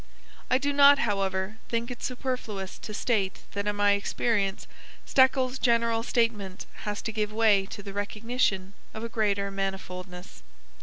I do not, however, think it superfluous to state that in my experience Stekel's general statement has to give way to the recognition of a greater manifoldness.